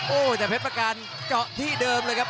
โอ้แต่เพชรสร้างบ้านเจาะที่เดิมเลยครับ